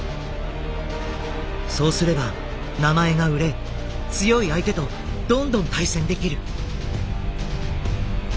そうすれば名前が売れ強い相手とどんどん対戦できる。